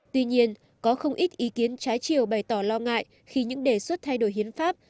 tuy nhiên có không ít ý kiến trái chiều bày tỏ lo ngại khi những đề xuất thay đổi hiến pháp